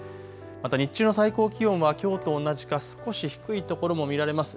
また日中の最高気温はきょうと同じか少し低いところも見られます。